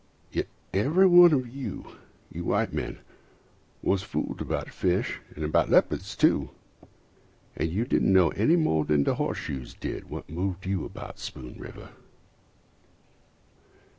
Yet everyone of you, you white men, Was fooled about fish and about leopards too, And you didn't know any more than the horse shoes did What moved you about Spoon River.